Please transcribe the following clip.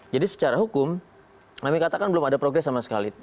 jadi secara hukum kami katakan belum ada progres sama sekali